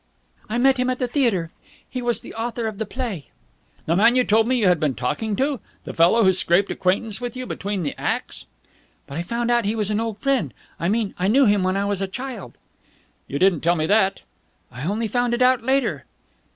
"I met him at the theatre. He was the author of the play." "The man you told me you had been talking to? The fellow who scraped acquaintance with you between the acts?" "But I found out he was an old friend. I mean, I knew him when I was a child." "You didn't tell me that." "I only found it out later."